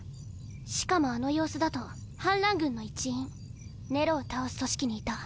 しかもあの様子だと反乱軍の一員ネロを倒す組織にいた。